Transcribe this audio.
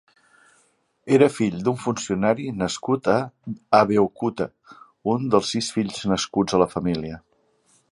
Era fill d'un funcionari nascut a Abeokuta, un de sis fills nascuts a la família.